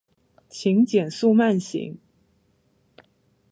请减速慢行